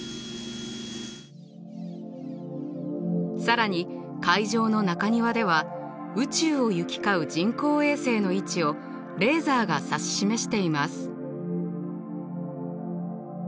更に会場の中庭では宇宙を行き交う人工衛星の位置をレーザーが指し示しています。